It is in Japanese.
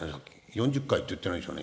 ４０回って言ってないですよね。